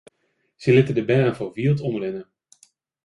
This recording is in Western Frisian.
Sy litte de bern foar wyld omrinne.